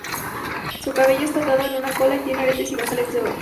Su cabello está atado en una cola y tiene aretes y brazaletes de oro.